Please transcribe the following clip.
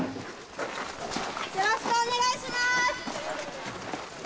よろしくお願いします！